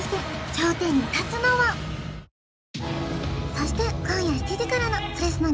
そして今夜７時からの「それスノ」